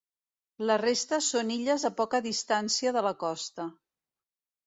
La resta són illes a poca distància de la costa.